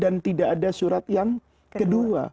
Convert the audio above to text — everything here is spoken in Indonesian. dan tidak ada surat yang kedua